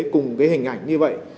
cùng cái hình ảnh như vậy